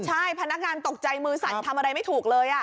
ใช่พนักงานตกใจมือสั่นทำอะไรไม่ถูกเลย